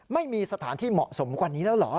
ไม่มีสถานที่เหมาะสมกว่านี้แล้วเหรอ